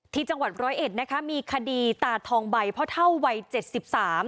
ที่จังหวัดร้อยเอ็ดนะคะมีคดีตาทองใบพ่อเท่าวัยเจ็ดสิบสาม